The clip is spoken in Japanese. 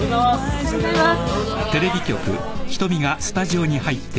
おはようございます。